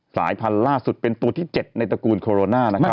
สายพันธุ์ล่าสุดเป็นตัวที่๗ในตระกูลโคโรนานะครับ